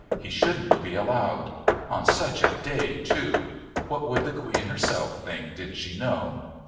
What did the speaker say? He shouldn't be allowed. On such a day, too. What would the Queen herself think, did she know?